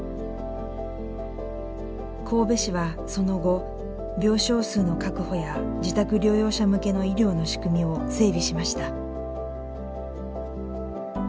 神戸市はその後病床数の確保や自宅療養者向けの医療の仕組みを整備しました。